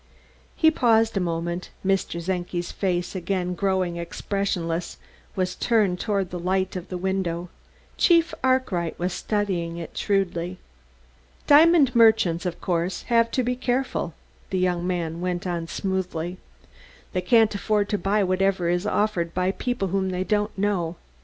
He paused a moment. Mr. Czenki's face, again growing expressionless, was turned toward the light of the window; Chief Arkwright was studying it shrewdly. "Diamond merchants, of course, have to be careful," the young man went on smoothly. "They can't afford to buy whatever is offered by people whom they don't know.